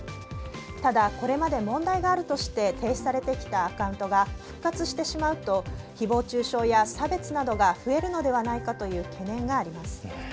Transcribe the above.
ただ、これまで問題があるとして停止されてきたアカウントが復活してしまうとひぼう中傷や差別などが増えるのではないかという懸念があります。